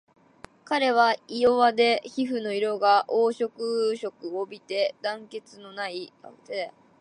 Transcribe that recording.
彼は胃弱で皮膚の色が淡黄色を帯びて弾力のない不活発な徴候をあらわしている